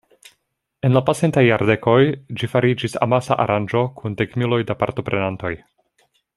En la pasintaj jardekoj ĝi fariĝis amasa aranĝo kun dekmiloj da partoprenantoj.